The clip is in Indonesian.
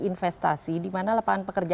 investasi dimana lapangan pekerjaan